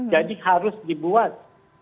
jadi harus dibuat